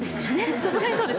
さすがにそうです。